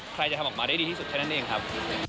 ใครจะทำออกมาได้ดีที่สุดแค่นั้นเองครับ